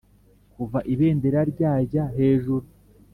kuva ibendera ryajya hejuru